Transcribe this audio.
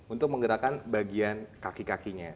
untuk menggerakkan bagian kaki kakinya